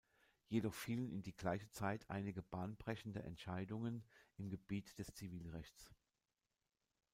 Jedoch fielen in die gleiche Zeit einige bahnbrechende Entscheidungen im Gebiet des Zivilrechts.